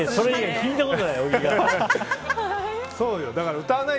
聴いたことない。